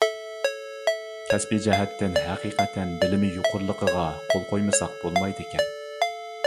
كەسپى جەھەتتىن ھەقىقەتەن بىلىمى يۇقىرىلىقىغا قول قويمىساق بولمايدىكەن.